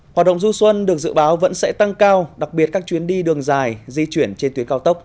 hoạt động du xuân được dự báo vẫn sẽ tăng cao đặc biệt các chuyến đi đường dài di chuyển trên tuyến cao tốc